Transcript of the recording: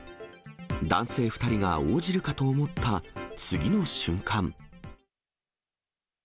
男性２人が応じるかと思った次の瞬間。